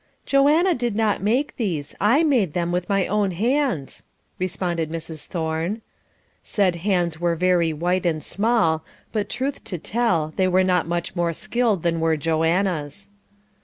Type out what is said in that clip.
"Joanna did not make these, I made them with my own hands," responded Mrs. Thorne. Said hands were very white and small, but truth to tell, they were not much more skilled than were Joanna's.